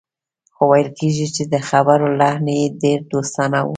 خو ویل کېږي چې د خبرو لحن یې ډېر دوستانه و